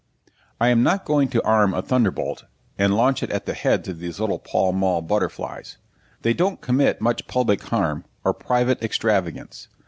I am not going to arm a thunderbolt, and launch it at the beads of these little Pall Mall butterflies. They don't commit much public harm, or private extravagance.